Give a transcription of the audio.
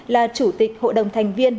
là chủ tịch hội đồng thành viên